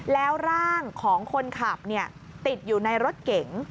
แล้วร่างของคนขับติดอยู่ในรถเก๋ง